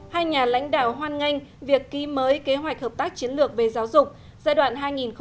hai nhà lãnh đạo hoan nghênh việc ký mới kế hoạch hợp tác chiến lược về giáo dục giai đoạn hai nghìn một mươi chín hai nghìn hai mươi